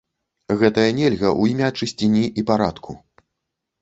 Гэтае нельга ў імя чысціні і парадку.